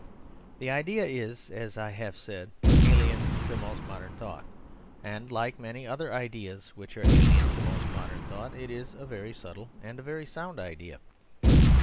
The idea is, as I have said, alien to most modern thought, and like many other ideas which are alien to most modern thought, it is a very subtle and a very sound idea.